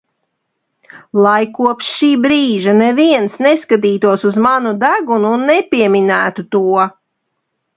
Lai kopš šī brīža neviens neskatītos uz manu degunu un nepieminētu to!